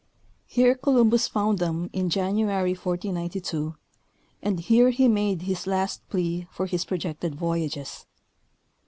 Here Columbus found them in January, 1492, and here he made his last plea for his projected voyages.